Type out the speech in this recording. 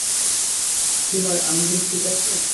তোমার আঙুল ঠিক আছে?